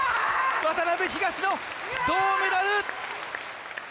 渡辺、東野銅メダル！